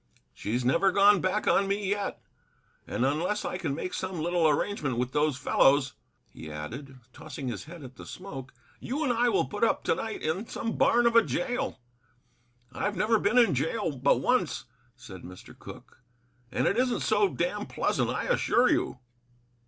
She's never gone back on me yet. And unless I can make some little arrangement with those fellows," he added, tossing his head at the smoke, "you and I will put up to night in some barn of a jail. I've never been in jail but once," said Mr. Cooke, "and it isn't so damned pleasant, I assure you."